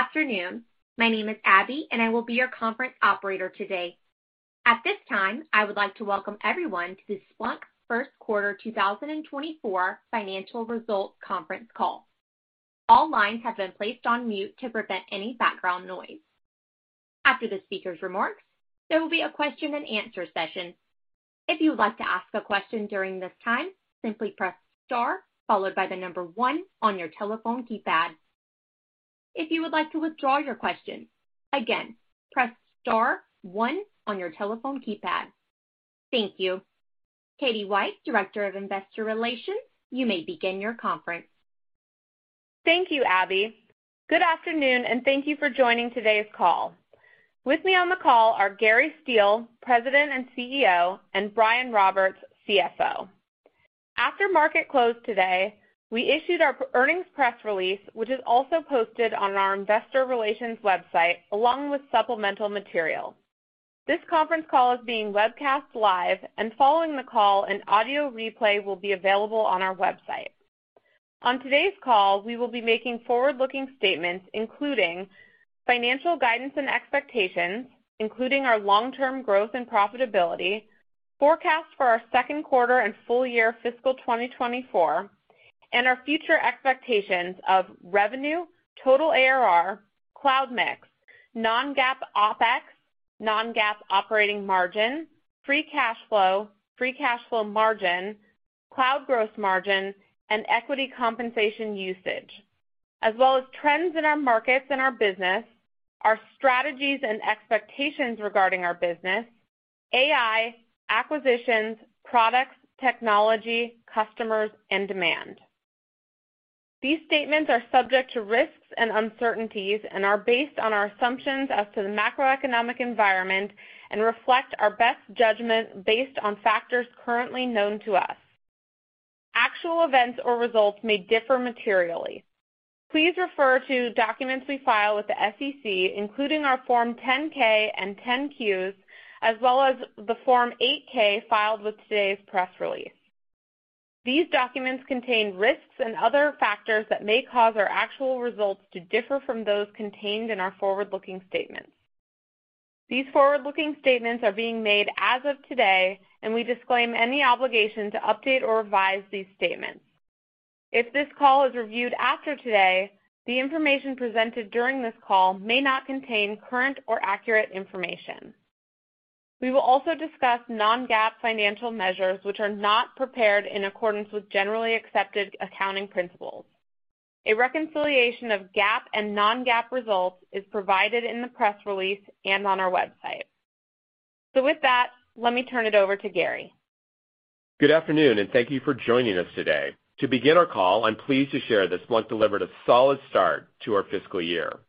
Good afternoon. My name is Abby, and I will be your conference operator today. At this time, I would like to welcome everyone to the Splunk first quarter 2024 financial results conference call. All lines have been placed on mute to prevent any background noise. After the speaker's remarks, there will be a question-and-answer session. If you would like to ask a question during this time, simply press star followed by one on your telephone keypad. If you would like to withdraw your question, again, press star one on your telephone keypad. Thank you. Katie White, Director of Investor Relations, you may begin your conference. Thank you, Abby. Good afternoon, and thank you for joining today's call. With me on the call are Gary Steele, President and CEO, and Brian Roberts, CFO. After market close today, we issued our earnings press release, which is also posted on our investor relations website, along with supplemental material. This conference call is being webcast live, and following the call, an audio replay will be available on our website. On today's call, we will be making forward-looking statements including financial guidance and expectations, including our long-term growth and profitability, forecast for our second quarter and full year fiscal 2024, and our future expectations of revenue, total ARR, cloud mix, non-GAAP OpEx, non-GAAP operating margin, free cash flow, free cash flow margin, cloud gross margin, and equity compensation usage, as well as trends in our markets and our business, our strategies and expectations regarding our business, AI, acquisitions, products, technology, customers, and demand. These statements are subject to risks and uncertainties and are based on our assumptions as to the macroeconomic environment and reflect our best judgment based on factors currently known to us. Actual events or results may differ materially. Please refer to documents we file with the SEC, including our Form 10-K and 10-Qs, as well as the Form 8-K filed with today's press release. These documents contain risks and other factors that may cause our actual results to differ from those contained in our forward-looking statements. These forward-looking statements are being made as of today, and we disclaim any obligation to update or revise these statements. If this call is reviewed after today, the information presented during this call may not contain current or accurate information. We will also discuss non-GAAP financial measures, which are not prepared in accordance with generally accepted accounting principles. A reconciliation of GAAP and non-GAAP results is provided in the press release and on our website. With that, let me turn it over to Gary. Good afternoon. Thank you for joining us today. To begin our call, I'm pleased to share that Splunk delivered a solid start to our fiscal year.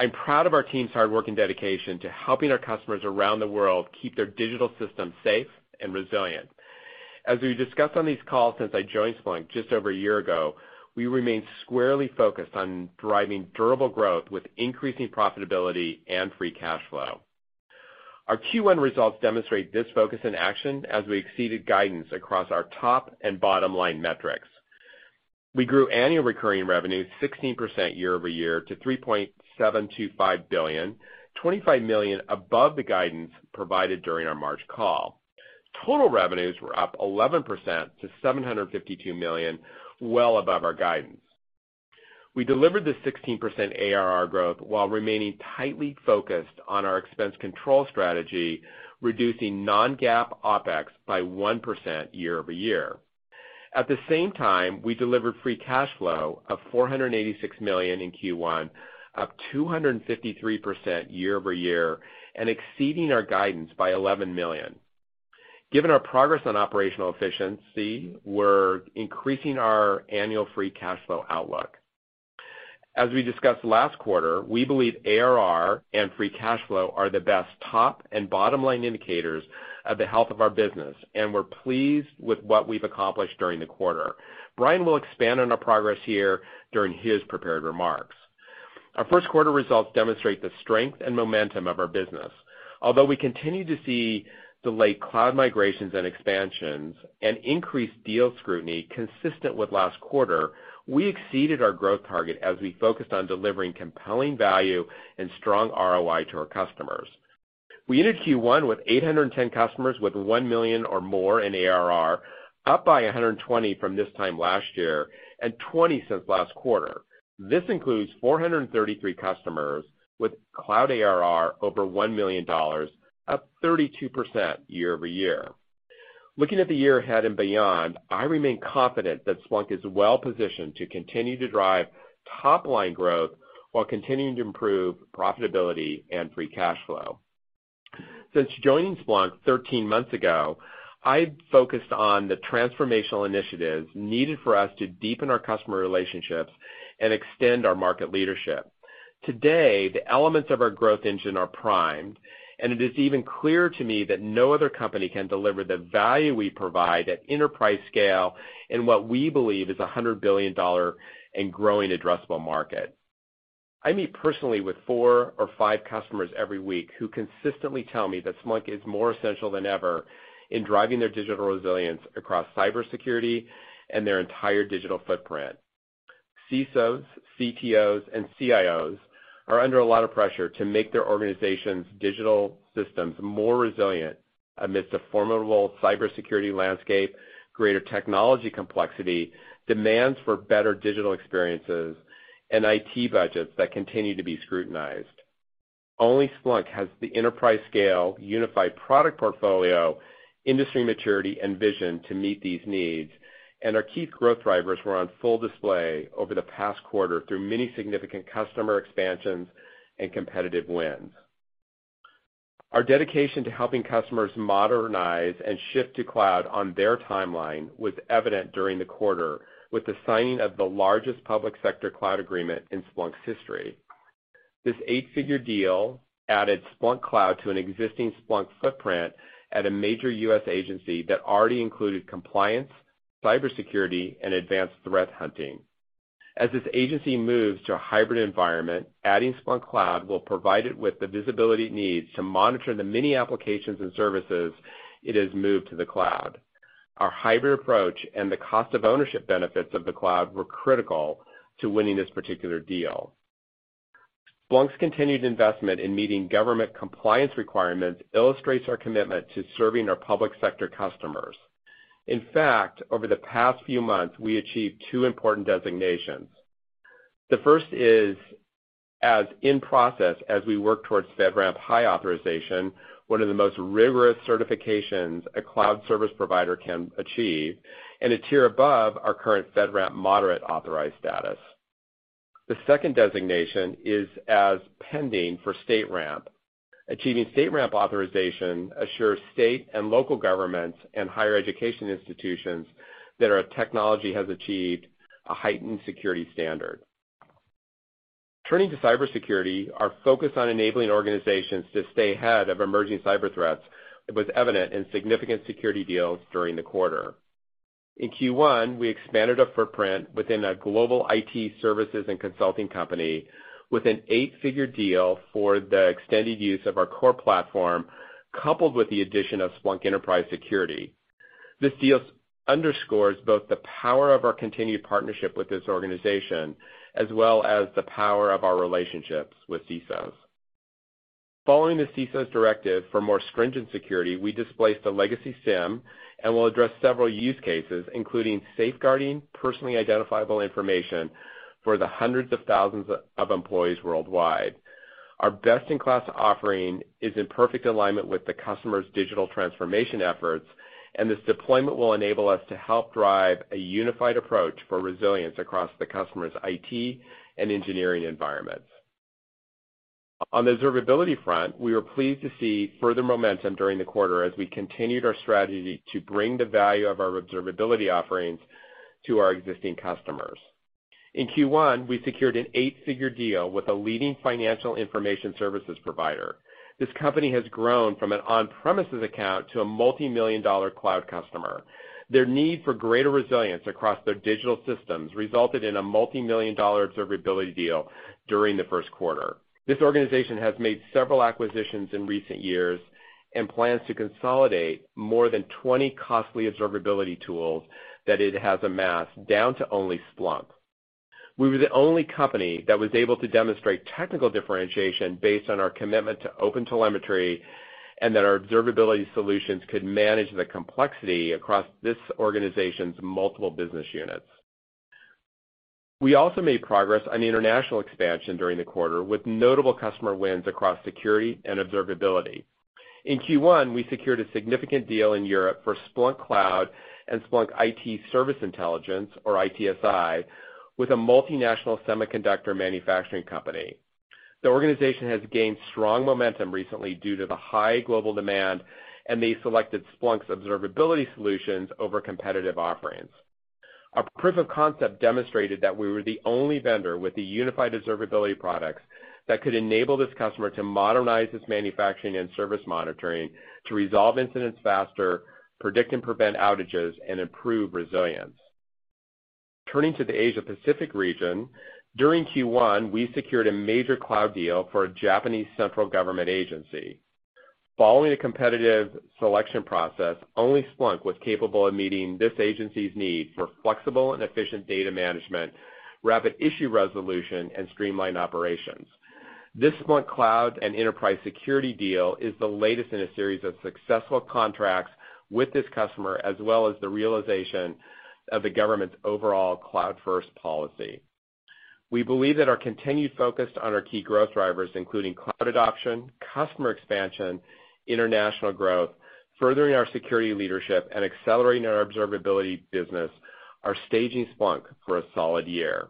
I'm proud of our team's hard work and dedication to helping our customers around the world keep their digital systems safe and resilient. As we've discussed on these calls since I joined Splunk just over a year ago, we remain squarely focused on driving durable growth with increasing profitability and free cash flow. Our Q1 results demonstrate this focus in action as we exceeded guidance across our top and bottom line metrics. We grew annual recurring revenue 16% year-over-year to $3.725 billion, $25 million above the guidance provided during our March call. Total revenues were up 11% to $752 million, well above our guidance. We delivered the 16% ARR growth while remaining tightly focused on our expense control strategy, reducing non-GAAP OpEx by 1% year-over-year. At the same time, we delivered free cash flow of $486 million in Q1, up 253% year-over-year and exceeding our guidance by $11 million. Given our progress on operational efficiency, we're increasing our annual free cash flow outlook. As we discussed last quarter, we believe ARR and free cash flow are the best top and bottom line indicators of the health of our business, and we're pleased with what we've accomplished during the quarter. Brian will expand on our progress here during his prepared remarks. Our first quarter results demonstrate the strength and momentum of our business. Although we continue to see delayed cloud migrations and expansions and increased deal scrutiny consistent with last quarter, we exceeded our growth target as we focused on delivering compelling value and strong ROI to our customers. We ended Q1 with 810 customers with $1 million or more in ARR, up by 120 from this time last year and 20 since last quarter. This includes 433 customers with Cloud ARR over $1 million, up 32% year-over-year. Looking at the year ahead and beyond, I remain confident that Splunk is well positioned to continue to drive top-line growth while continuing to improve profitability and free cash flow. Since joining Splunk 13 months ago, I focused on the transformational initiatives needed for us to deepen our customer relationships and extend our market leadership. Today, the elements of our growth engine are primed, and it is even clearer to me that no other company can deliver the value we provide at enterprise scale in what we believe is a $100 billion and growing addressable market. I meet personally with 4 or 5 customers every week who consistently tell me that Splunk is more essential than ever in driving their digital resilience across cybersecurity and their entire digital footprint. CISOs, CTOs, and CIOs are under a lot of pressure to make their organization's digital systems more resilient amidst a formidable cybersecurity landscape, greater technology complexity, demands for better digital experiences, and IT budgets that continue to be scrutinized. Only Splunk has the enterprise scale, unified product portfolio, industry maturity, and vision to meet these needs, and our key growth drivers were on full display over the past quarter through many significant customer expansions and competitive wins. Our dedication to helping customers modernize and shift to cloud on their timeline was evident during the quarter with the signing of the largest public sector cloud agreement in Splunk's history. This 8-figure deal added Splunk Cloud to an existing Splunk footprint at a major U.S. agency that already included compliance, cybersecurity, and advanced threat hunting. As this agency moves to a hybrid environment, adding Splunk Cloud will provide it with the visibility it needs to monitor the many applications and services it has moved to the cloud. Our hybrid approach and the cost of ownership benefits of the cloud were critical to winning this particular deal. Splunk's continued investment in meeting government compliance requirements illustrates our commitment to serving our public sector customers. In fact, over the past few months, we achieved two important designations. The first is as in process as we work towards FedRAMP High authorization, one of the most rigorous certifications a cloud service provider can achieve, and a tier above our current FedRAMP Moderate authorized status. The second designation is as pending for StateRAMP. Achieving StateRAMP authorization assures state and local governments and higher education institutions that our technology has achieved a heightened security standard. Turning to cybersecurity, our focus on enabling organizations to stay ahead of emerging cyber threats was evident in significant security deals during the quarter. In Q1, we expanded our footprint within a global IT services and consulting company with an eight-figure deal for the extended use of our core platform, coupled with the addition of Splunk Enterprise Security. This deal underscores both the power of our continued partnership with this organization, as well as the power of our relationships with CISOs. Following the CISOs directive for more stringent security, we displaced a legacy SIEM and will address several use cases, including safeguarding personally identifiable information for the hundreds of thousands of employees worldwide. Our best-in-class offering is in perfect alignment with the customer's digital transformation efforts, and this deployment will enable us to help drive a unified approach for resilience across the customer's IT and engineering environments. On the observability front, we were pleased to see further momentum during the quarter as we continued our strategy to bring the value of our observability offerings to our existing customers. In Q1, we secured an 8-figure deal with a leading financial information services provider. This company has grown from an on-premises account to a multi-million dollar cloud customer. Their need for greater resilience across their digital systems resulted in a multi-million dollar observability deal during the first quarter. This organization has made several acquisitions in recent years and plans to consolidate more than 20 costly observability tools that it has amassed down to only Splunk. We were the only company that was able to demonstrate technical differentiation based on our commitment to OpenTelemetry and that our observability solutions could manage the complexity across this organization's multiple business units. We also made progress on the international expansion during the quarter with notable customer wins across security and observability. In Q1, we secured a significant deal in Europe for Splunk Cloud and Splunk IT Service Intelligence, or ITSI, with a multinational semiconductor manufacturing company. The organization has gained strong momentum recently due to the high global demand, and they selected Splunk's observability solutions over competitive offerings. Our proof of concept demonstrated that we were the only vendor with the unified observability products that could enable this customer to modernize its manufacturing and service monitoring to resolve incidents faster, predict and prevent outages, and improve resilience. Turning to the Asia-Pacific region, during Q1, we secured a major cloud deal for a Japanese central government agency. Following a competitive selection process, only Splunk was capable of meeting this agency's need for flexible and efficient data management, rapid issue resolution, and streamlined operations. This Splunk Cloud and Enterprise Security deal is the latest in a series of successful contracts with this customer, as well as the realization of the government's overall cloud-first policy. We believe that our continued focus on our key growth drivers, including cloud adoption, customer expansion, international growth, furthering our security leadership, and accelerating our observability business are staging Splunk for a solid year.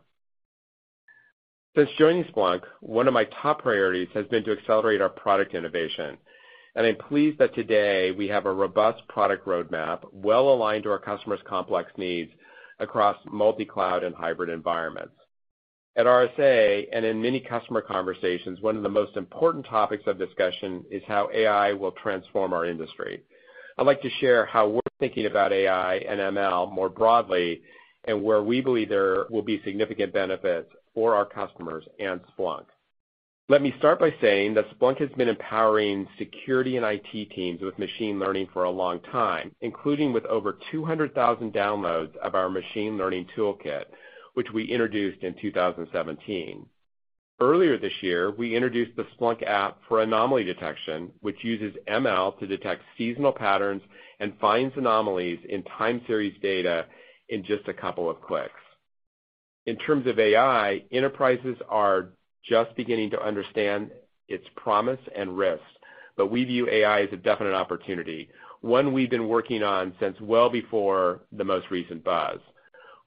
Since joining Splunk, one of my top priorities has been to accelerate our product innovation, and I'm pleased that today we have a robust product roadmap well-aligned to our customers' complex needs across multi-cloud and hybrid environments. At RSA and in many customer conversations, one of the most important topics of discussion is how AI will transform our industry. I'd like to share how we're thinking about AI and ML more broadly and where we believe there will be significant benefits for our customers and Splunk. Let me start by saying that Splunk has been empowering security and IT teams with machine learning for a long time, including with over 200,000 downloads of our Machine Learning Toolkit, which we introduced in 2017. Earlier this year, we introduced the Splunk App for Anomaly Detection, which uses ML to detect seasonal patterns and finds anomalies in time series data in just a couple of clicks. In terms of AI, enterprises are just beginning to understand its promise and risks, but we view AI as a definite opportunity, one we've been working on since well before the most recent buzz.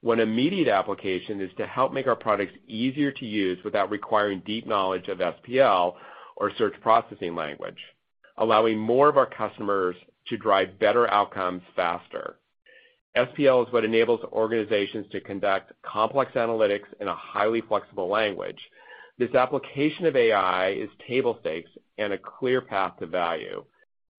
One immediate application is to help make our products easier to use without requiring deep knowledge of SPL or search processing language, allowing more of our customers to drive better outcomes faster. SPL is what enables organizations to conduct complex analytics in a highly flexible language. This application of AI is table stakes and a clear path to value.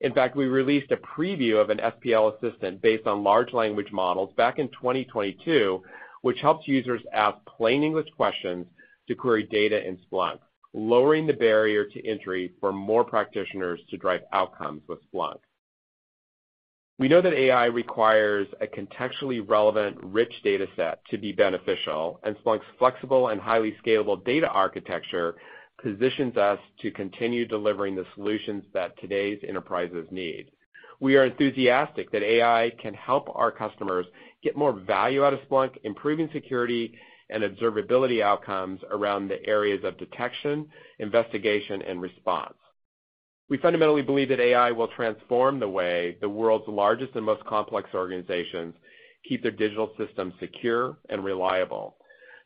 We released a preview of an SPL assistant based on large language models back in 2022, which helps users ask plain English questions to query data in Splunk, lowering the barrier to entry for more practitioners to drive outcomes with Splunk. We know that AI requires a contextually relevant, rich data set to be beneficial, and Splunk's flexible and highly scalable data architecture positions us to continue delivering the solutions that today's enterprises need. We are enthusiastic that AI can help our customers get more value out of Splunk, improving security and observability outcomes around the areas of detection, investigation, and response. We fundamentally believe that AI will transform the way the world's largest and most complex organizations keep their digital systems secure and reliable,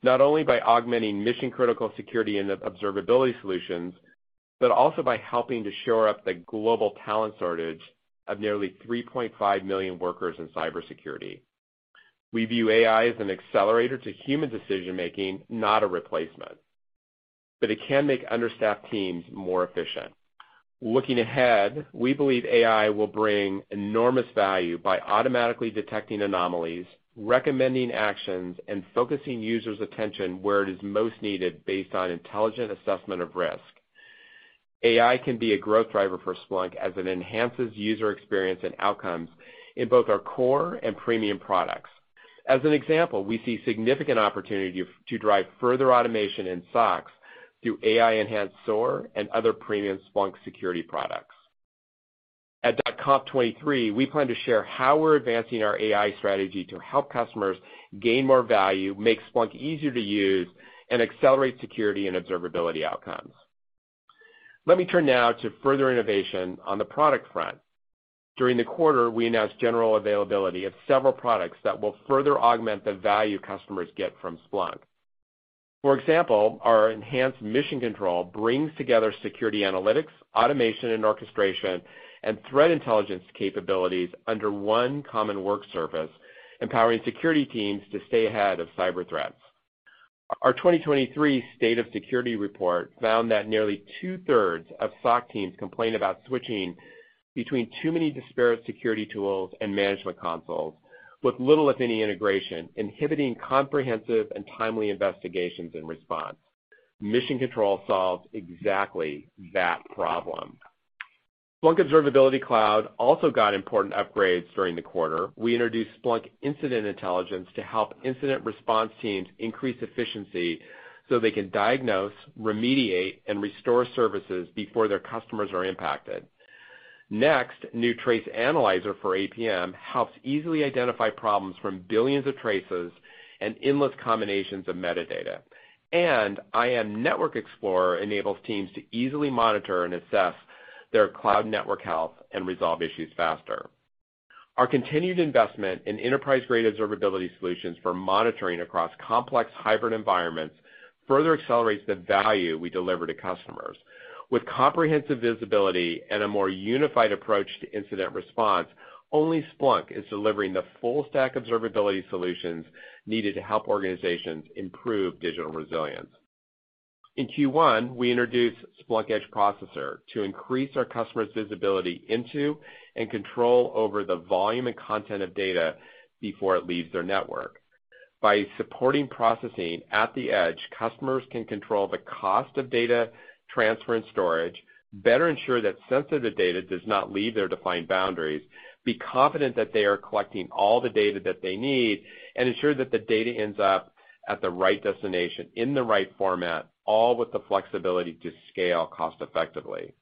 not only by augmenting mission-critical security and observability solutions, but also by helping to shore up the global talent shortage of nearly 3.5 million workers in cybersecurity. We view AI as an accelerator to human decision-making, not a replacement, but it can make understaffed teams more efficient. Looking ahead, we believe AI will bring enormous value by automatically detecting anomalies, recommending actions, and focusing users' attention where it is most needed based on intelligent assessment of risk. AI can be a growth driver for Splunk as it enhances user experience and outcomes in both our core and premium products. As an example, we see significant opportunity to drive further automation in SOCs to AI-enhanced SOAR and other premium Splunk security products. At .conf23, we plan to share how we're advancing our AI strategy to help customers gain more value, make Splunk easier to use, and accelerate security and observability outcomes. Let me turn now to further innovation on the product front. During the quarter, we announced general availability of several products that will further augment the value customers get from Splunk. For example, our enhanced Mission Control Our 2023 State of Security report found that nearly two-thirds of SOC teams complain about switching between too many disparate security tools and management consoles with little if any integration, inhibiting comprehensive and timely investigations and response. Mission Control solves exactly that problem. Splunk Observability Cloud also got important upgrades during the quarter. We introduced Splunk Incident Intelligence to help incident response teams increase efficiency so they can diagnose, remediate, and restore services before their customers are impacted. New Trace Analyzer for APM helps easily identify problems from billions of traces and endless combinations of metadata. IM Network Explorer enables teams to easily monitor and assess their cloud network health and resolve issues faster. Our continued investment in enterprise-grade observability solutions for monitoring across complex hybrid environments further accelerates the value we deliver to customers. With comprehensive visibility and a more unified approach to incident response, only Splunk is delivering the full stack observability solutions needed to help organizations improve digital resilience. In Q1, we introduced Splunk Edge Processor to increase our customers' visibility into and control over the volume and content of data before it leaves their network. By supporting processing at the edge, customers can control the cost of data transfer and storage, better ensure that sensitive data does not leave their defined boundaries, be confident that they are collecting all the data that they need, and ensure that the data ends up at the right destination in the right format, all with the flexibility to scale cost effectively.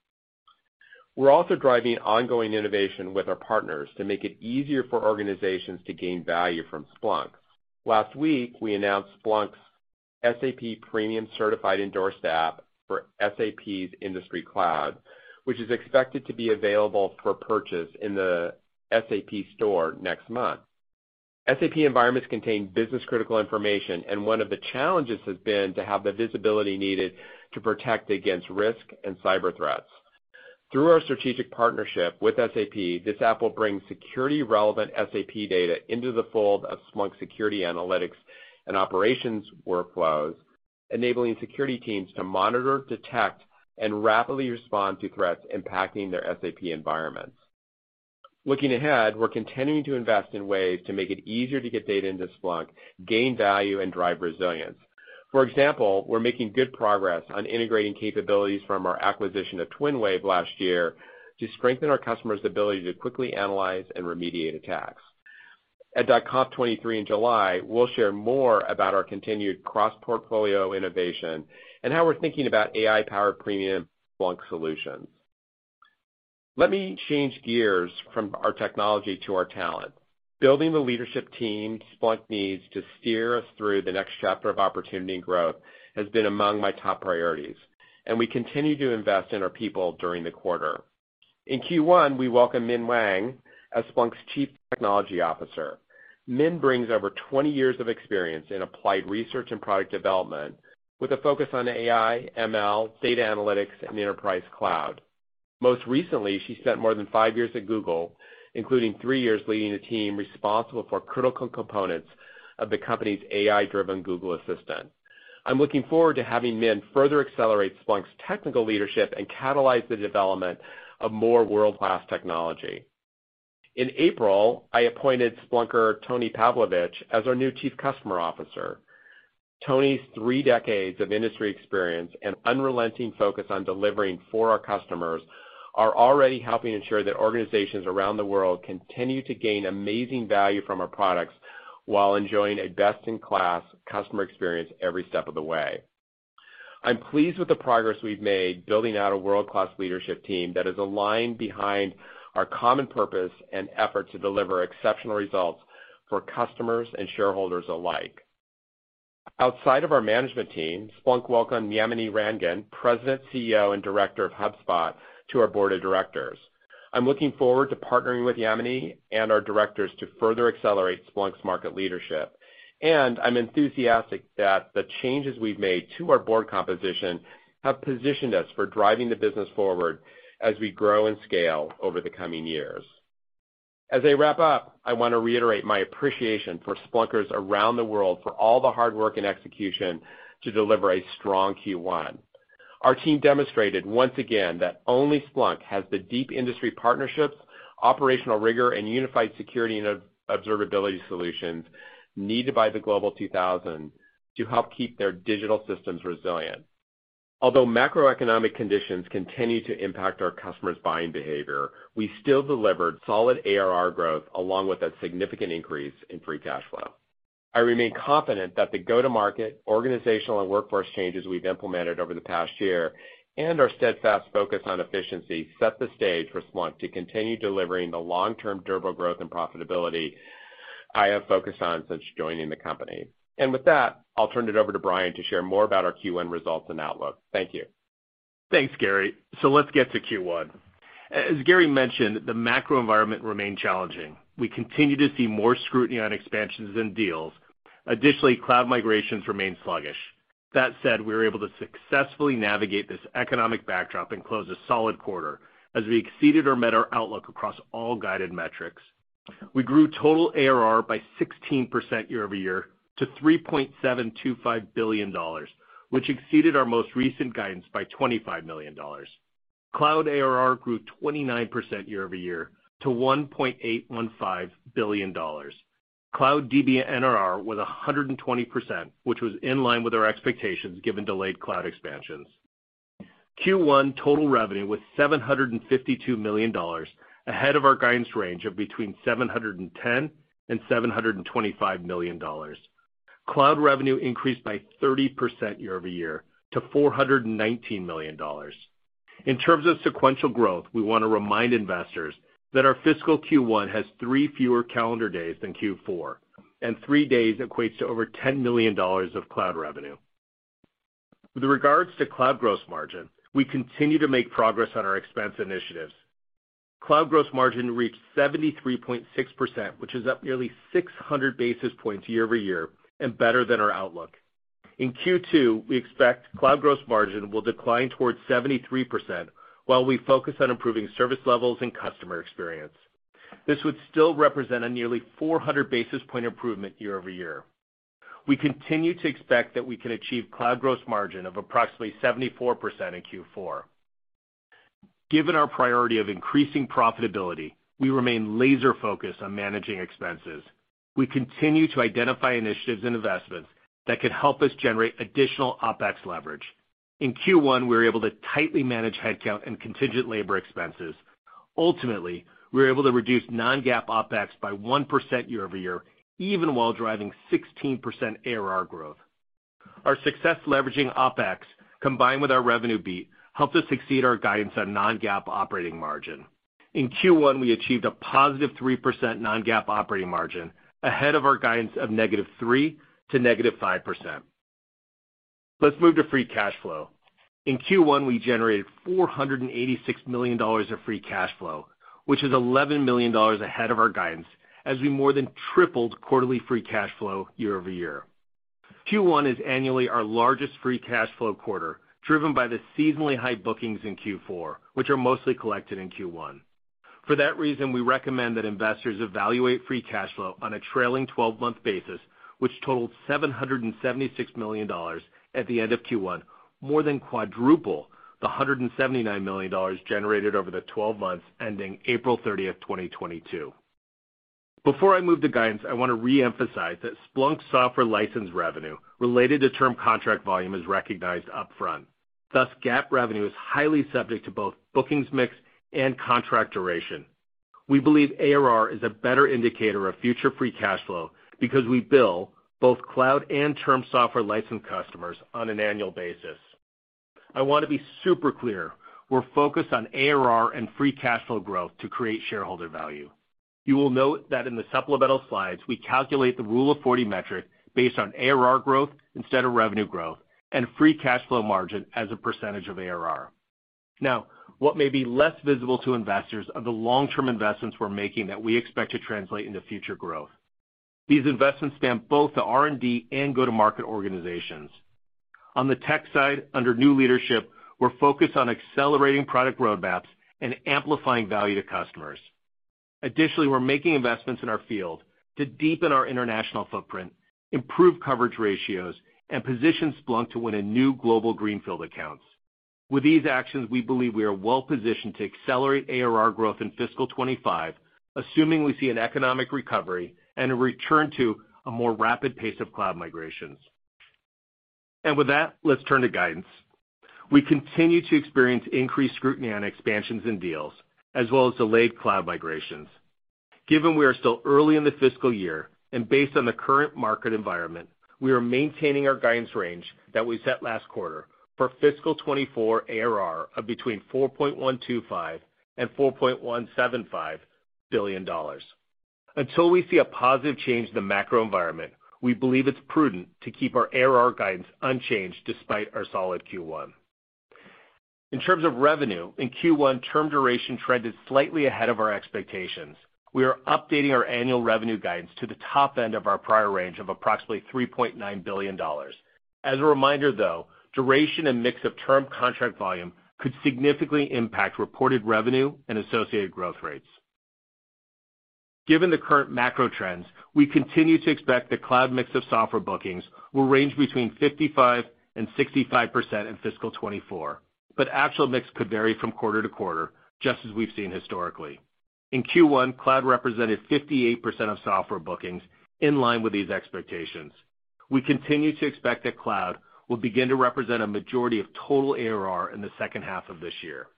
We're also driving ongoing innovation with our partners to make it easier for organizations to gain value from Splunk. Last week, we announced Splunk's SAP Premium Certified Endorsed App for SAP's industry cloud, which is expected to be available for purchase in the SAP Store next month. SAP environments contain business-critical information, and one of the challenges has been to have the visibility needed to protect against risk and cyber threats. Through our strategic partnership with SAP, this app will bring security-relevant SAP data into the fold of Splunk security analytics and operations workflows, enabling security teams to monitor, detect, and rapidly respond to threats impacting their SAP environments. Looking ahead, we're continuing to invest in ways to make it easier to get data into Splunk, gain value, and drive resilience. For example, we're making good progress on integrating capabilities from our acquisition of TwinWave last year to strengthen our customers' ability to quickly analyze and remediate attacks. At .conf23 in July, we'll share more about our continued cross-portfolio innovation and how we're thinking about AI-powered premium Splunk solutions. Let me change gears from our technology to our talent. Building the leadership team Splunk needs to steer us through the next chapter of opportunity and growth has been among my top priorities. We continue to invest in our people during the quarter. In Q1, we welcomed Min Wang as Splunk's Chief Technology Officer. Min brings over 20 years of experience in applied research and product development with a focus on AI, ML, data analytics, and enterprise cloud. Most recently, she spent more than 5 years at Google, including 3 years leading a team responsible for critical components of the company's AI-driven Google Assistant. I'm looking forward to having Min further accelerate Splunk's technical leadership and catalyze the development of more world-class technology. In April, I appointed Splunker Toni Pavlovich as our new chief customer officer. Toni's three decades of industry experience and unrelenting focus on delivering for our customers are already helping ensure that organizations around the world continue to gain amazing value from our products while enjoying a best-in-class customer experience every step of the way. I'm pleased with the progress we've made building out a world-class leadership team that is aligned behind our common purpose and effort to deliver exceptional results for customers and shareholders alike. Outside of our management team, Splunk welcomed Yamini Rangan, president, CEO, and director of HubSpot, to our board of directors. I'm looking forward to partnering with Yamini and our directors to further accelerate Splunk's market leadership, and I'm enthusiastic that the changes we've made to our board composition have positioned us for driving the business forward as we grow and scale over the coming years. As I wrap up, I want to reiterate my appreciation for Splunkers around the world for all the hard work and execution to deliver a strong Q1. Our team demonstrated once again that only Splunk has the deep industry partnerships, operational rigor, and unified security and observability solutions needed by the Global 2000 to help keep their digital systems resilient. Although macroeconomic conditions continue to impact our customers' buying behavior, we still delivered solid ARR growth along with a significant increase in free cash flow. I remain confident that the go-to-market, organizational, and workforce changes we've implemented over the past year and our steadfast focus on efficiency set the stage for Splunk to continue delivering the long-term durable growth and profitability I have focused on since joining the company. With that, I'll turn it over to Brian to share more about our Q1 results and outlook. Thank you. Thanks, Gary. Let's get to Q1. As Gary mentioned, the macro environment remained challenging. We continue to see more scrutiny on expansions and deals. Additionally, cloud migrations remain sluggish. That said, we were able to successfully navigate this economic backdrop and close a solid quarter as we exceeded or met our outlook across all guided metrics. We grew total ARR by 16% year-over-year to $3.725 billion, which exceeded our most recent guidance by $25 million. Cloud ARR grew 29% year-over-year to $1.815 billion. Cloud DBNRR was 120%, which was in line with our expectations given delayed cloud expansions. Q1 total revenue was $752 million, ahead of our guidance range of between $710 million and $725 million. Cloud revenue increased by 30% year-over-year to $419 million. In terms of sequential growth, we want to remind investors that our fiscal Q1 has three fewer calendar days than Q4, and three days equates to over $10 million of cloud revenue. With regards to cloud gross margin, we continue to make progress on our expense initiatives. Cloud gross margin reached 73.6%, which is up nearly 600 basis points year-over-year and better than our outlook. In Q2, we expect cloud gross margin will decline towards 73% while we focus on improving service levels and customer experience. This would still represent a nearly 400 basis point improvement year-over-year. We continue to expect that we can achieve cloud gross margin of approximately 74% in Q4. Given our priority of increasing profitability, we remain laser-focused on managing expenses. We continue to identify initiatives and investments that can help us generate additional OpEx leverage. In Q1, we were able to tightly manage headcount and contingent labor expenses. Ultimately, we were able to reduce non-GAAP OpEx by 1% year-over-year, even while driving 16% ARR growth. Our success leveraging OpEx, combined with our revenue beat, helped us exceed our guidance on non-GAAP operating margin. In Q1, we achieved a positive 3% non-GAAP operating margin, ahead of our guidance of -3% to -5%. Let's move to free cash flow. In Q1, we generated $486 million of free cash flow, which is $11 million ahead of our guidance as we more than tripled quarterly free cash flow year-over-year. Q1 is annually our largest free cash flow quarter, driven by the seasonally high bookings in Q4, which are mostly collected in Q1. For that reason, we recommend that investors evaluate free cash flow on a trailing 12-month basis, which totaled $776 million at the end of Q1, more than quadruple the $179 million generated over the 12 months ending April 30th, 2022. Before I move to guidance, I want to reemphasize that Splunk software license revenue related to term contract volume is recognized upfront. Thus, GAAP revenue is highly subject to both bookings mix and contract duration. We believe ARR is a better indicator of future free cash flow because we bill both cloud and term software license customers on an annual basis. I want to be super clear, we're focused on ARR and free cash flow growth to create shareholder value. You will note that in the supplemental slides, we calculate the Rule of 40 metric based on ARR growth instead of revenue growth and free cash flow margin as a percentage of ARR. What may be less visible to investors are the long-term investments we're making that we expect to translate into future growth. These investments span both the R&D and go-to-market organizations. On the tech side, under new leadership, we're focused on accelerating product roadmaps and amplifying value to customers. Additionally, we're making investments in our field to deepen our international footprint, improve coverage ratios, and position Splunk to win in new global greenfield accounts. With these actions, we believe we are well positioned to accelerate ARR growth in fiscal 2025, assuming we see an economic recovery and a return to a more rapid pace of cloud migrations. With that, let's turn to guidance. We continue to experience increased scrutiny on expansions and deals as well as delayed cloud migrations. Given we are still early in the fiscal year and based on the current market environment, we are maintaining our guidance range that we set last quarter for fiscal 2024 ARR of between $4.125 billion and $4.175 billion. Until we see a positive change in the macro environment, we believe it's prudent to keep our ARR guidance unchanged despite our solid Q1. In terms of revenue, in Q1, term duration trended slightly ahead of our expectations. We are updating our annual revenue guidance to the top end of our prior range of approximately $3.9 billion. As a reminder though, duration and mix of term contract volume could significantly impact reported revenue and associated growth rates. Given the current macro trends, we continue to expect the cloud mix of software bookings will range between 55%-65% in fiscal 2024, but actual mix could vary from quarter-to-quarter, just as we've seen historically. In Q1, cloud represented 58% of software bookings in line with these expectations. We continue to expect that cloud will begin to represent a majority of total ARR in the second half of this year.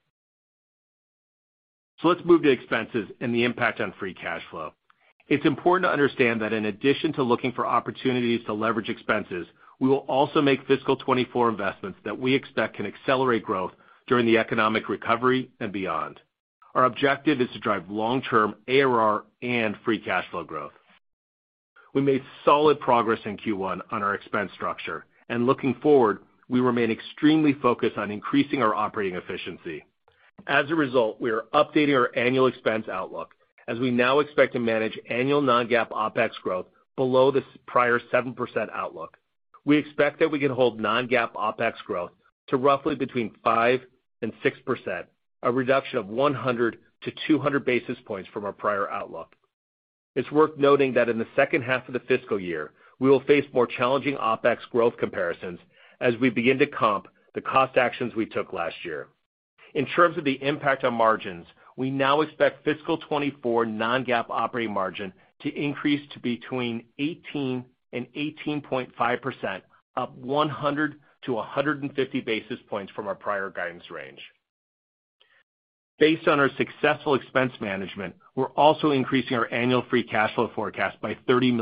Let's move to expenses and the impact on free cash flow. It's important to understand that in addition to looking for opportunities to leverage expenses, we will also make fiscal 2024 investments that we expect can accelerate growth during the economic recovery and beyond. Our objective is to drive long-term ARR and free cash flow growth. We made solid progress in Q1 on our expense structure, and looking forward, we remain extremely focused on increasing our operating efficiency. As a result, we are updating our annual expense outlook as we now expect to manage annual non-GAAP OpEx growth below the prior 7% outlook. We expect that we can hold non-GAAP OpEx growth to roughly between 5% and 6%, a reduction of 100-200 basis points from our prior outlook. It's worth noting that in the second half of the fiscal year, we will face more challenging OpEx growth comparisons as we begin to comp the cost actions we took last year. In terms of the impact on margins, we now expect fiscal 2024 non-GAAP operating margin to increase to between 18% and 18.5%, up 100-150 basis points from our prior guidance range. Based on our successful expense management, we're also increasing our annual free cash flow forecast by $30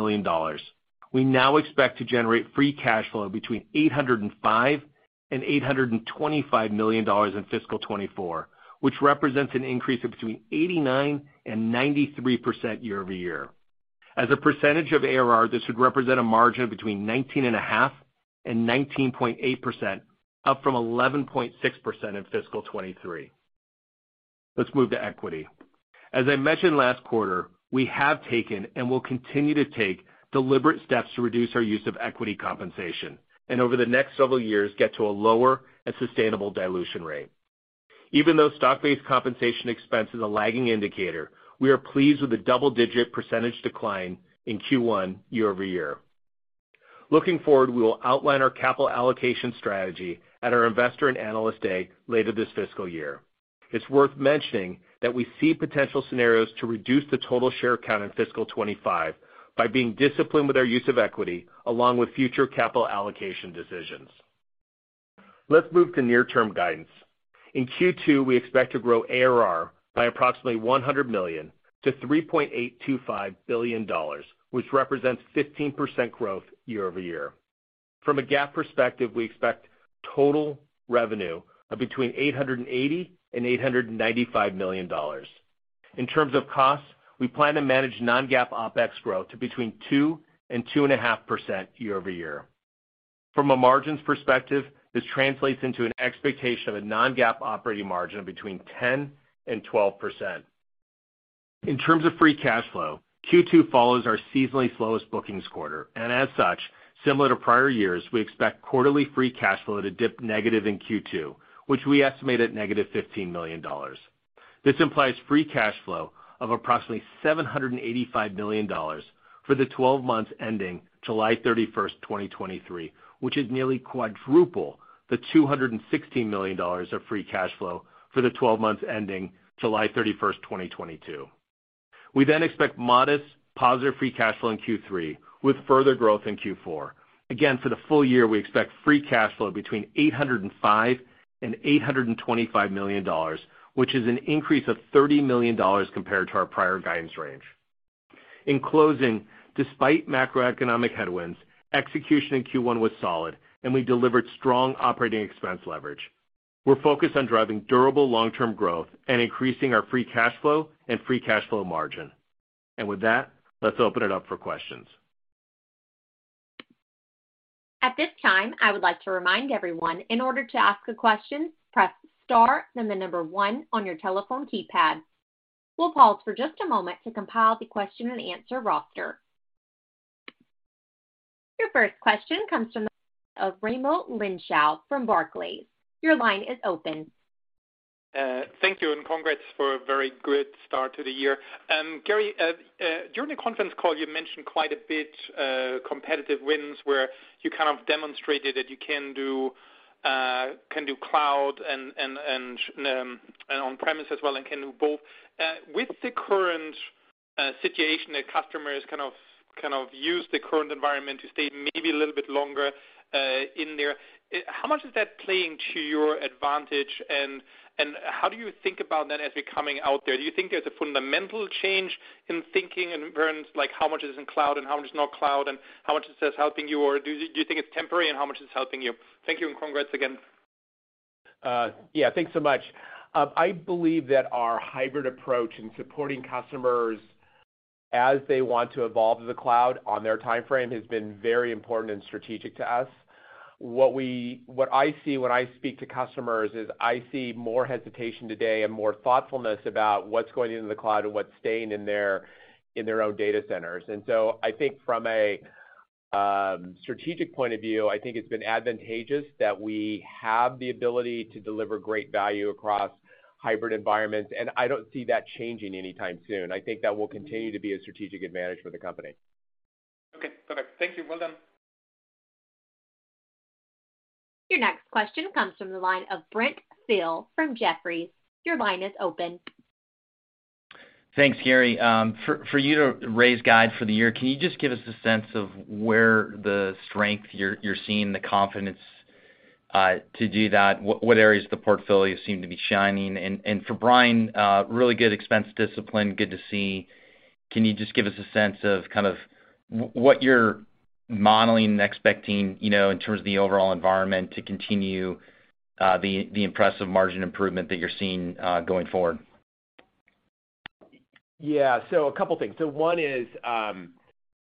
million. We now expect to generate free cash flow between $805 million and $825 million in fiscal 2024, which represents an increase of between 89% and 93% year-over-year. As a percentage of ARR, this would represent a margin of between 19.5% and 19.8%, up from 11.6% in fiscal 2023. Let's move to equity. As I mentioned last quarter, we have taken and will continue to take deliberate steps to reduce our use of equity compensation, and over the next several years, get to a lower and sustainable dilution rate. Even though stock-based compensation expense is a lagging indicator, we are pleased with the double-digit percentage decline in Q1 year-over-year. Looking forward, we will outline our capital allocation strategy at our Investor and Analyst Day later this fiscal year. It's worth mentioning that we see potential scenarios to reduce the total share count in fiscal 2025 by being disciplined with our use of equity along with future capital allocation decisions. Let's move to near-term guidance. In Q2, we expect to grow ARR by approximately $100 million to $3.825 billion, which represents 15% growth year-over-year. From a GAAP perspective, we expect total revenue of between $880 million and $895 million. In terms of costs, we plan to manage non-GAAP OpEx growth to between 2% and 2.5% year-over-year. From a margins perspective, this translates into an expectation of a non-GAAP operating margin of between 10% and 12%. In terms of free cash flow, Q2 follows our seasonally slowest bookings quarter. As such, similar to prior years, we expect quarterly free cash flow to dip negative in Q2, which we estimate at negative $15 million. This implies free cash flow of approximately $785 million for the 12 months ending July 31st, 2023, which is nearly quadruple the $216 million of free cash flow for the 12 months ending July 31st, 2022. We expect modest positive free cash flow in Q3 with further growth in Q4. For the full year, we expect free cash flow between $805 million and $825 million, which is an increase of $30 million compared to our prior guidance range. In closing, despite macroeconomic headwinds, execution in Q1 was solid, and we delivered strong operating expense leverage. We're focused on driving durable long-term growth and increasing our free cash flow and free cash flow margin. With that, let's open it up for questions. At this time, I would like to remind everyone, in order to ask a question, press star, then the number one on your telephone keypad. We'll pause for just a moment to compile the question-and-answer roster. Your first question comes from the line of Raimo Lenschow from Barclays. Your line is open. Thank you, and congrats for a very good start to the year. Gary, during the conference call, you mentioned quite a bit competitive wins where you kind of demonstrated that you can do cloud and on-premise as well and can do both. With the current situation that customers kind of use the current environment to stay maybe a little bit longer in there, how much is that playing to your advantage and how do you think about that as we're coming out there? Do you think there's a fundamental change in thinking in terms like how much is in cloud and how much is not cloud, and how much is this helping you? Do you think it's temporary, and how much is this helping you? Thank you, and congrats again. Yeah, thanks so much. I believe that our hybrid approach in supporting customers as they want to evolve to the cloud on their timeframe has been very important and strategic to us. What I see when I speak to customers is I see more hesitation today and more thoughtfulness about what's going into the cloud and what's staying in their own data centers. I think from a strategic point of view, I think it's been advantageous that we have the ability to deliver great value across hybrid environments, and I don't see that changing anytime soon. I think that will continue to be a strategic advantage for the company. Okay, perfect. Thank you. Well done. Your next question comes from the line of Brent Thill from Jefferies. Your line is open. Thanks, Gary. For you to raise guide for the year, can you just give us a sense of where the strength you're seeing the confidence to do that? What areas of the portfolio seem to be shining? For Brian, really good expense discipline, good to see. Can you just give us a sense of kind of what you're modeling and expecting, you know, in terms of the overall environment to continue the impressive margin improvement that you're seeing going forward? Yeah. A couple things. One is,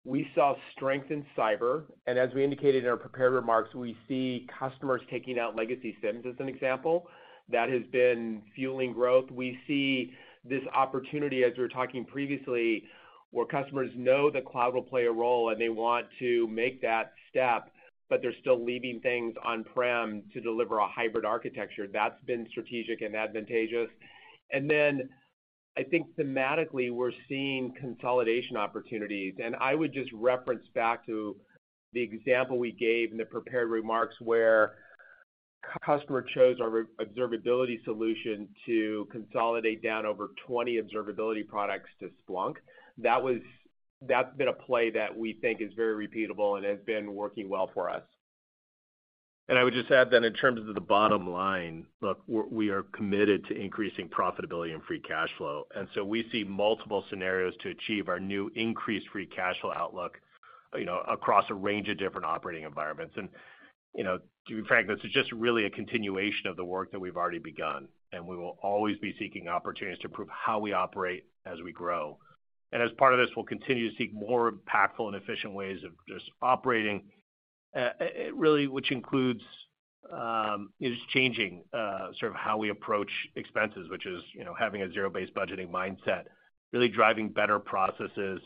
we saw strength in cyber, and as we indicated in our prepared remarks, we see customers taking out legacy SIEMs as an example. That has been fueling growth. We see this opportunity, as we were talking previously, where customers know the cloud will play a role, and they want to make that step, but they're still leaving things on-prem to deliver a hybrid architecture. That's been strategic and advantageous. Then I think thematically, we're seeing consolidation opportunities. I would just reference back to the example we gave in the prepared remarks where customer chose our observability solution to consolidate down over 20 observability products to Splunk. That's been a play that we think is very repeatable and has been working well for us. I would just add that in terms of the bottom line, look, we are committed to increasing profitability and free cash flow. We see multiple scenarios to achieve our new increased free cash flow outlook, you know, across a range of different operating environments. You know, to be frank, this is just really a continuation of the work that we've already begun, and we will always be seeking opportunities to improve how we operate as we grow. As part of this, we'll continue to seek more impactful and efficient ways of just operating, really which includes, you know, just changing, sort of how we approach expenses, which is, you know, having a zero-based budgeting mindset, really driving better processes,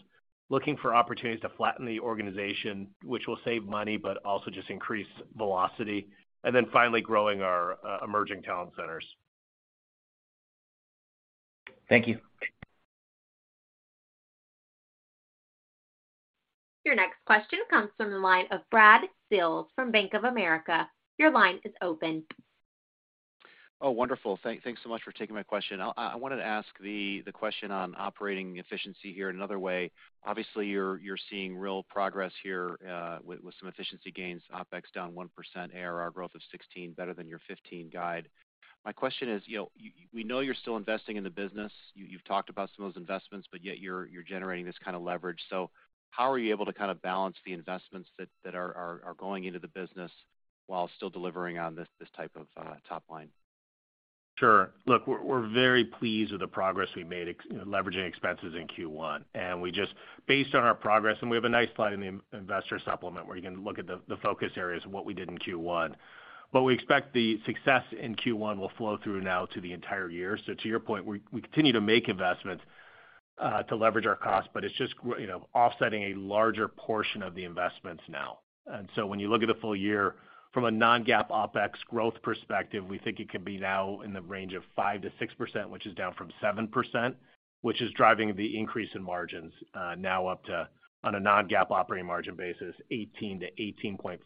looking for opportunities to flatten the organization, which will save money, but also just increase velocity, and then finally growing our emerging talent centers. Thank you. Your next question comes from the line of Brad Sills from Bank of America. Your line is open. Oh, wonderful. Thanks so much for taking my question. I wanted to ask the question on operating efficiency here another way. Obviously, you're seeing real progress here with some efficiency gains, OpEx down 1%, ARR growth of 16% better than your 15% guide. My question is, you know, you we know you're still investing in the business. You've talked about some of those investments, but yet you're generating this kind of leverage. How are you able to kind of balance the investments that are going into the business while still delivering on this type of top line? Sure. Look, we're very pleased with the progress we made leveraging expenses in Q1. We just based on our progress, and we have a nice slide in the Investor supplement where you can look at the focus areas of what we did in Q1. We expect the success in Q1 will flow through now to the entire year. To your point, we continue to make investments to leverage our costs, but it's just you know, offsetting a larger portion of the investments now. When you look at the full year from a non-GAAP OpEx growth perspective, we think it could be now in the range of 5%-6%, which is down from 7%, which is driving the increase in margins, now up to, on a non-GAAP operating margin basis, 18%-18.5%.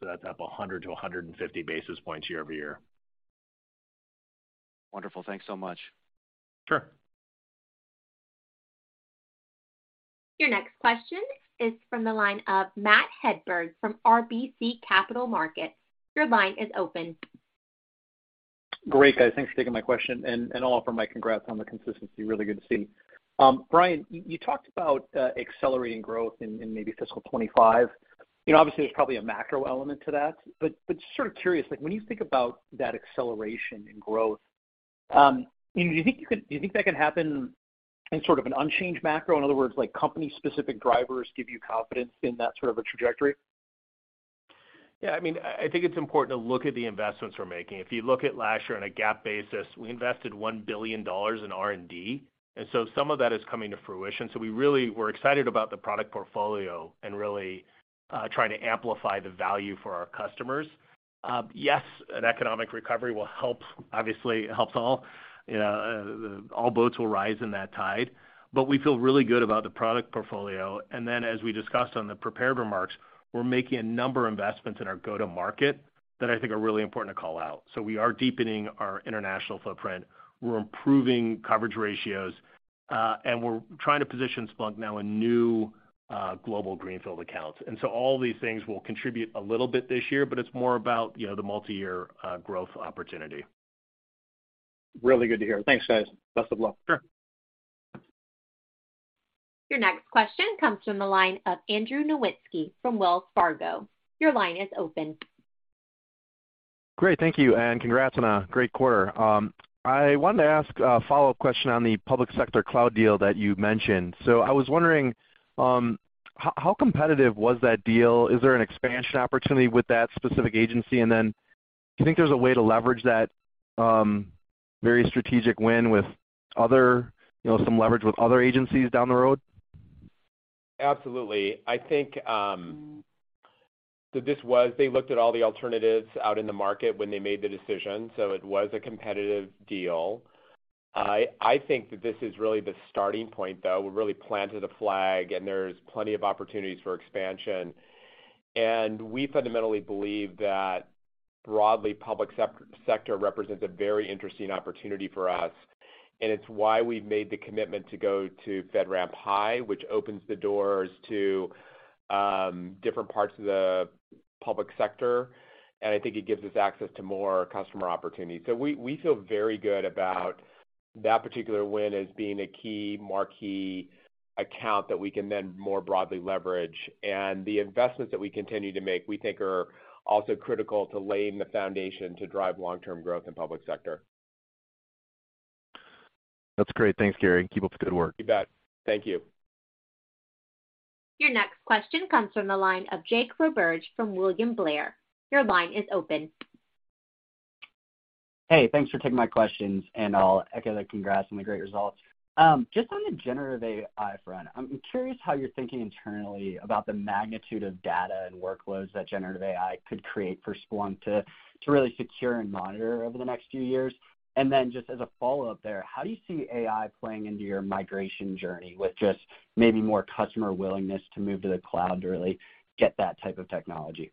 That's up 100-150 basis points year-over-year. Wonderful. Thanks so much. Sure. Your next question is from the line of Matt Hedberg from RBC Capital Markets. Your line is open. Great, guys. Thanks for taking my question, I'll offer my congrats on the consistency, really good to see. Brian, you talked about accelerating growth in maybe fiscal 2025. You know, obviously there's probably a macro element to that, sort of curious, like when you think about that acceleration in growth, do you think that can happen in sort of an unchanged macro? In other words, like company-specific drivers give you confidence in that sort of a trajectory? I mean, I think it's important to look at the investments we're making. If you look at last year on a GAAP basis, we invested $1 billion in R&D. Some of that is coming to fruition. We're excited about the product portfolio and really trying to amplify the value for our customers. Yes, an economic recovery will help. Obviously, it helps all. You know, all boats will rise in that tide. We feel really good about the product portfolio. As we discussed on the prepared remarks, we're making a number of investments in our go-to-market that I think are really important to call out. We are deepening our international footprint, we're improving coverage ratios, and we're trying to position Splunk now in new global greenfield accounts. All these things will contribute a little bit this year, but it's more about, you know, the multi-year growth opportunity. Really good to hear. Thanks, guys. Best of luck. Sure. Your next question comes from the line of Andrew Nowinski from Wells Fargo. Your line is open. Great. Thank you, and congrats on a great quarter. I wanted to ask a follow-up question on the public sector cloud deal that you mentioned. I was wondering, how competitive was that deal? Is there an expansion opportunity with that specific agency? Do you think there's a way to leverage that, very strategic win with other, you know, some leverage with other agencies down the road? Absolutely. I think, this was, they looked at all the alternatives out in the market when they made the decision, so it was a competitive deal. I think that this is really the starting point, though. We really planted a flag, and there's plenty of opportunities for expansion. We fundamentally believe that broadly public sector represents a very interesting opportunity for us, and it's why we've made the commitment to go to FedRAMP High, which opens the doors to different parts of the public sector, and I think it gives us access to more customer opportunities. We feel very good about that particular win as being a key marquee account that we can then more broadly leverage. The investments that we continue to make, we think are also critical to laying the foundation to drive long-term growth in public sector. That's great. Thanks, Gary. Keep up the good work. You bet. Thank you. Your next question comes from the line of Jake Roberge from William Blair. Your line is open. Hey, thanks for taking my questions, and I'll echo the congrats on the great results. Just on the generative AI front, I'm curious how you're thinking internally about the magnitude of data and workloads that generative AI could create for Splunk to really secure and monitor over the next few years? Just as a follow-up there, how do you see AI playing into your migration journey with just maybe more customer willingness to move to the cloud to really get that type of technology?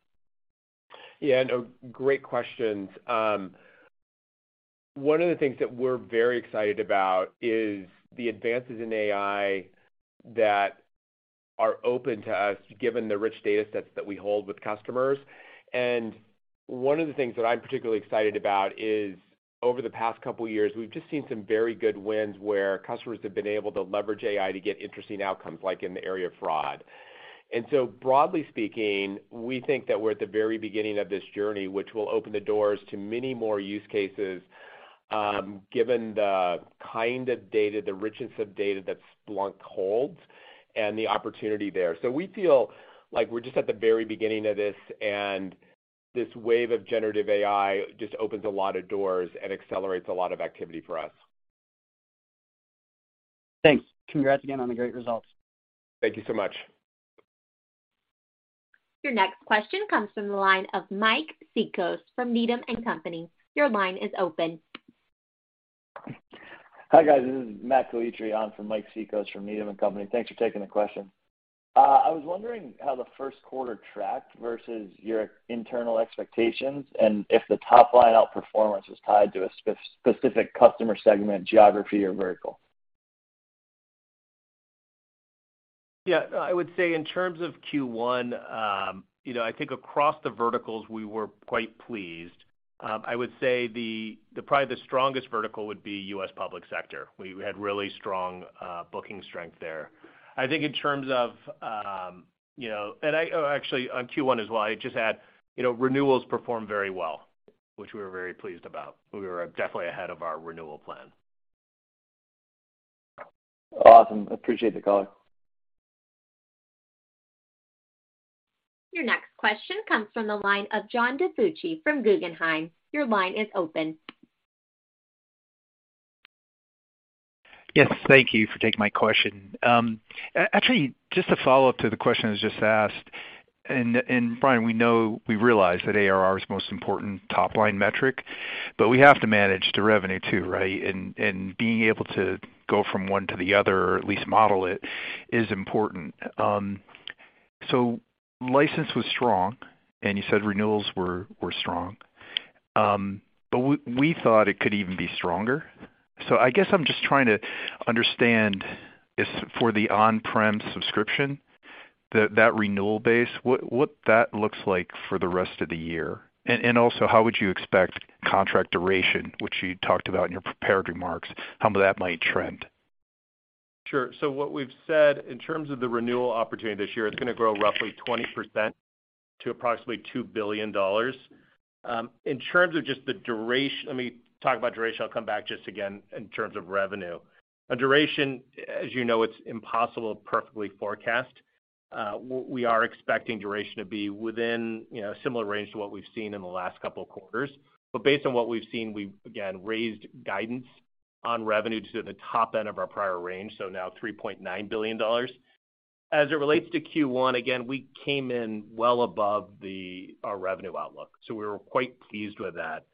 Yeah, no, great questions. One of the things that we're very excited about is the advances in AI that are open to us given the rich data sets that we hold with customers. And one of the things that I'm particularly excited about is over the past couple of years, we've just seen some very good wins where customers have been able to leverage AI to get interesting outcomes, like in the area of fraud. Broadly speaking, we think that we're at the very beginning of this journey, which will open the doors to many more use cases, given the kind of data, the richness of data that Splunk holds and the opportunity there. We feel like we're just at the very beginning of this, and this wave of generative AI just opens a lot of doors and accelerates a lot of activity for us. Thanks. Congrats again on the great results. Thank you so much. Your next question comes from the line of Mike Cikos from Needham & Company. Your line is open. Hi, guys. This is Matthew Calitri from Mike Cikos from Needham & Company. Thanks for taking the question. I was wondering how the first quarter tracked versus your internal expectations and if the top-line outperformance was tied to a spec-specific customer segment, geography or vertical? Yeah. I would say in terms of Q1, you know, I think across the verticals we were quite pleased. I would say the, probably the strongest vertical would be U.S. public sector. We had really strong booking strength there. I think in terms of, you know, I, actually, on Q1 as well, I just add, you know, renewals performed very well, which we were very pleased about. We were definitely ahead of our renewal plan. Awesome. Appreciate the color. Your next question comes from the line of John DiFucci from Guggenheim. Your line is open. Yes, thank you for taking my question. Actually, just a follow-up to the question that was just asked. Brian, we realize that ARR is the most important top-line metric, but we have to manage to revenue too, right? Being able to go from one to the other, or at least model it, is important. License was strong, and you said renewals were strong. We thought it could even be stronger. I guess I'm just trying to understand is for the on-prem subscription that renewal base, what that looks like for the rest of the year. Also how would you expect contract duration, which you talked about in your prepared remarks, how that might trend? Sure. What we've said in terms of the renewal opportunity this year, it's gonna grow roughly 20% to approximately $2 billion. Let me talk about duration. I'll come back just again in terms of revenue. A duration, as you know, it's impossible to perfectly forecast. We are expecting duration to be within, you know, a similar range to what we've seen in the last couple of quarters. Based on what we've seen, we've, again, raised guidance on revenue to the top end of our prior range, so now $3.9 billion. As it relates to Q1, again, we came in well above our revenue outlook, so we were quite pleased with that.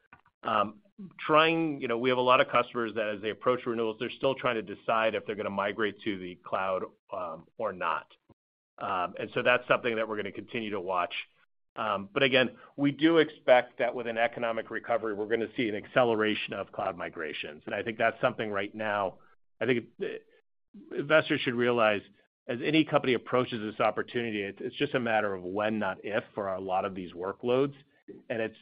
You know, we have a lot of customers that as they approach renewals, they're still trying to decide if they're gonna migrate to the cloud or not. That's something that we're gonna continue to watch. Again, we do expect that with an economic recovery, we're gonna see an acceleration of cloud migrations. I think that's something right now, I think investors should realize, as any company approaches this opportunity, it's just a matter of when, not if, for a lot of these workloads. It's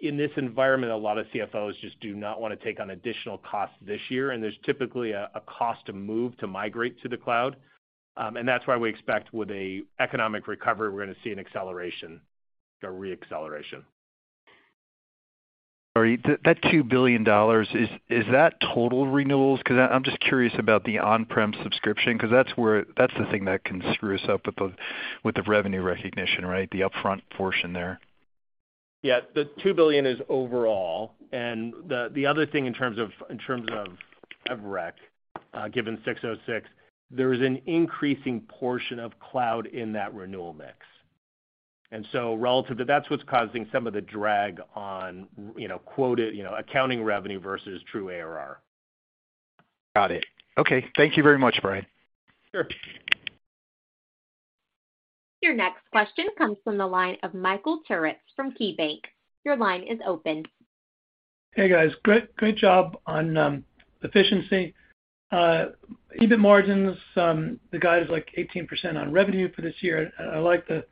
in this environment, a lot of CFOs just do not wanna take on additional costs this year, and there's typically a cost to move to migrate to the cloud. That's why we expect with an economic recovery, we're gonna see an acceleration or re-acceleration. Sorry. That $2 billion, is that total renewals? 'Cause I'm just curious about the on-prem subscription, 'cause that's where that's the thing that can screw us up with the revenue recognition, right? The upfront portion there. Yeah. The $2 billion is overall. The, the other thing in terms of, in terms of rec, given 606, there is an increasing portion of cloud in that renewal mix. That's what's causing some of the drag on, you know, quoted, you know, accounting revenue versus true ARR. Got it. Okay. Thank you very much, Brian. Sure. Your next question comes from the line of Michael Turits from KeyBanc. Your line is open. Hey, guys. Great job on efficiency. EBIT margins, the guide is like 18% on revenue for this year. I like the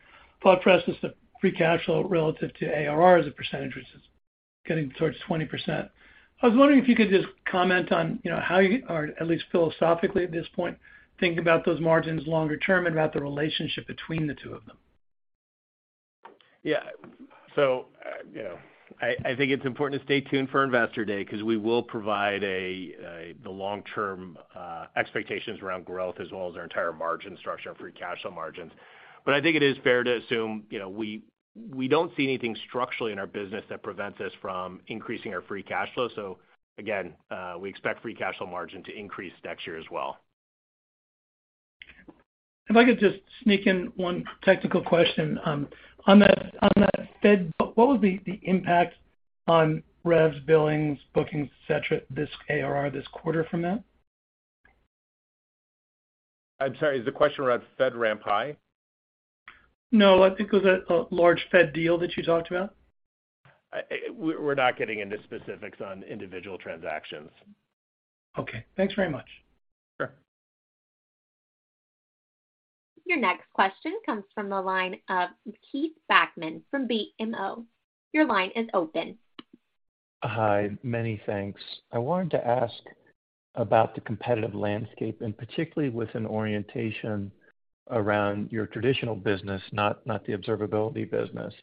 thought process of free cash flow relative to ARR as a percentage, which is getting towards 20%. I was wondering if you could just comment on, you know, how you are at least philosophically at this point, think about those margins longer term and about the relationship between the two of them. Yeah. You know, I think it's important to stay tuned for Investor Day 'cause we will provide a long-term expectations around growth as well as our entire margin structure and free cash flow margins. But I think it is fair to assume, you know, we don't see anything structurally in our business that prevents us from increasing our free cash flow. Again, we expect free cash flow margin to increase next year as well. If I could just sneak in one technical question, on that, on that Fed, what was the impact on revs, billings, bookings, et cetera, this ARR this quarter from that? I'm sorry. Is the question around FedRAMP High? No, I think it was a large Fed deal that you talked about. We're not getting into specifics on individual transactions. Okay. Thanks very much. Sure. Your next question comes from the line of Keith Bachman from BMO. Your line is open. Hi. Many thanks. I wanted to ask about the competitive landscape, and particularly with an orientation around your traditional business, not the observability business.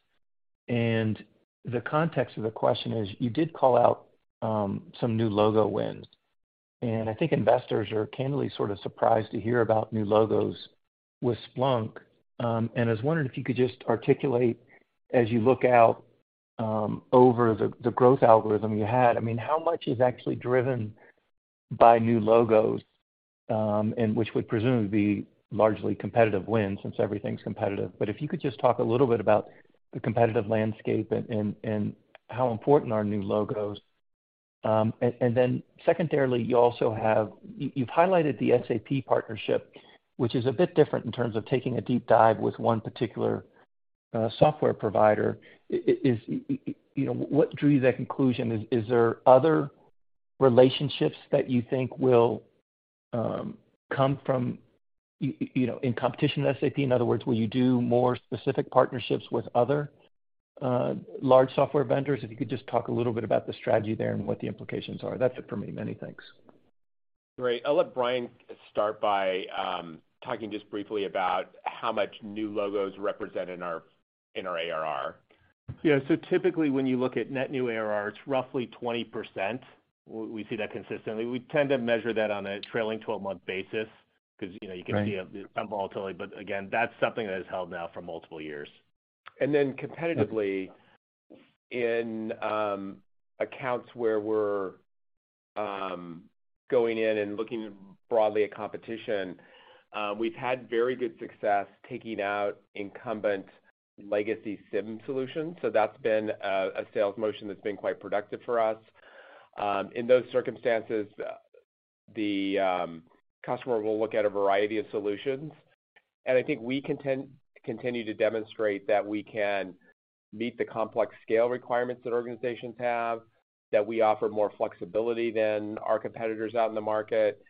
The context of the question is, you did call out some new logo wins, and I think investors are candidly sort of surprised to hear about new logos with Splunk. I was wondering if you could just articulate, as you look out over the growth algorithm you had, I mean, how much is actually driven by new logos, and which would presumably be largely competitive wins since everything's competitive. If you could just talk a little bit about the competitive landscape and how important are new logos. Then secondarily, you also have, you've highlighted the SAP partnership, which is a bit different in terms of taking a deep dive with one particular software provider. You know, what drew you to that conclusion? Is there other relationships that you think will come from, you know, in competition with SAP? In other words, will you do more specific partnerships with other large software vendors? If you could just talk a little bit about the strategy there and what the implications are. That's it for me. Many thanks. Great. I'll let Brian start by talking just briefly about how much new logos represent in our, in our ARR. Yeah. typically when you look at net new ARR, it's roughly 20%. We see that consistently. We tend to measure that on a trailing 12-month basis 'cause, you know, you can see some volatility, but again, that's something that has held now for multiple years. Competitively, in accounts where we're going in and looking broadly at competition, we've had very good success taking out incumbent legacy SIEM solutions. That's been a sales motion that's been quite productive for us in those circumstances. The customer will look at a variety of solutions. I think we continue to demonstrate that we can meet the complex scale requirements that organizations have, that we offer more flexibility than our competitors out in the market,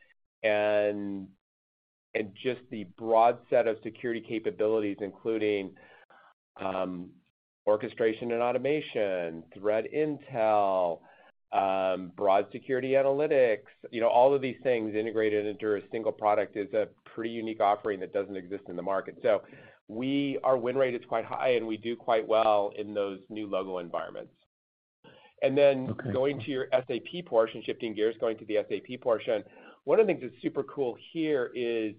just the broad set of security capabilities, including orchestration and automation, threat intel, broad security analytics. You know, all of these things integrated into a single product is a pretty unique offering that doesn't exist in the market. Our win rate is quite high, and we do quite well in those new logo environments. Okay. Shifting gears, going to the SAP portion, one of the things that's super cool here is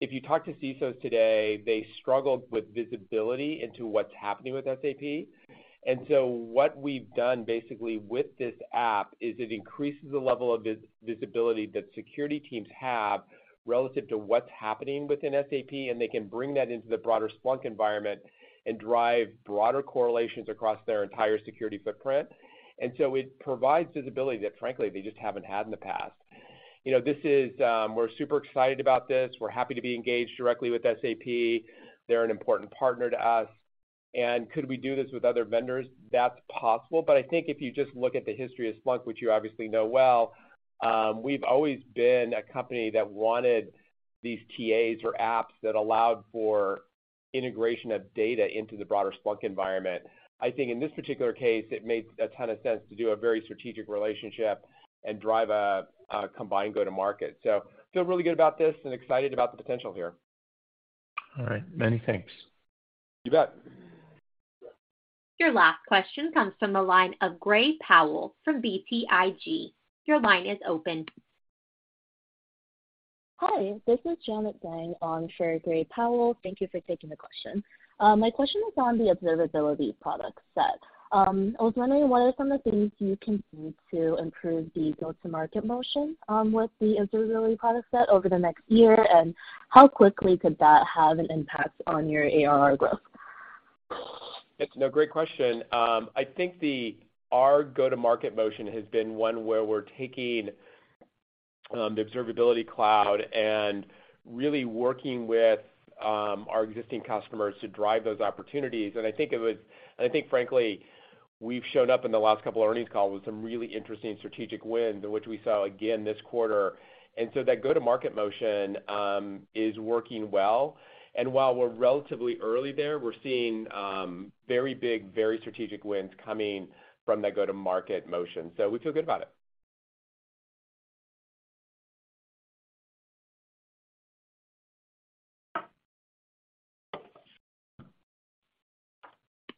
if you talk to CISOs today, they struggle with visibility into what's happening with SAP. What we've done basically with this app is it increases the level of visibility that security teams have relative to what's happening within SAP, and they can bring that into the broader Splunk environment and drive broader correlations across their entire security footprint. It provides visibility that frankly they just haven't had in the past. You know, this is, we're super excited about this. We're happy to be engaged directly with SAP. They're an important partner to us. Could we do this with other vendors? That's possible, but I think if you just look at the history of Splunk, which you obviously know well, we've always been a company that wanted these TAs or apps that allowed for integration of data into the broader Splunk environment. I think in this particular case, it made a ton of sense to do a very strategic relationship and drive a combined go-to-market. Feel really good about this and excited about the potential here. All right. Many thanks. You bet. Your last question comes from the line of Gray Powell from BTIG. Your line is open. Hi, this is Janet Zhang on for Gray Powell. Thank you for taking the question. My question is on the observability product set. I was wondering, what are some of the things you can do to improve the go-to-market motion, with the observability product set over the next year, and how quickly could that have an impact on your ARR growth? It's a great question. I think our go-to-market motion has been one where we're taking the Observability Cloud and really working with our existing customers to drive those opportunities, I think frankly, we've shown up in the last couple of earnings calls with some really interesting strategic wins, which we saw again this quarter. That go-to-market motion is working well. While we're relatively early there, we're seeing very big, very strategic wins coming from that go-to-market motion. We feel good about it.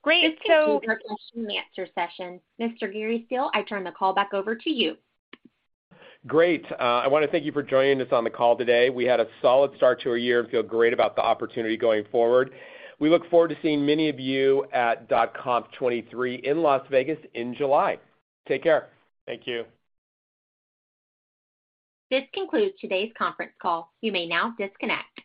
Great. This concludes our question-and-answer session. Mr. Gary Steele, I turn the call back over to you. Great. I want to thank you for joining us on the call today. We had a solid start to our year and feel great about the opportunity going forward. We look forward to seeing many of you at .conf23 in Las Vegas in July. Take care. Thank you. This concludes today's conference call. You may now disconnect.